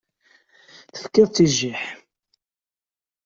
Tefka-tt i jjiḥ.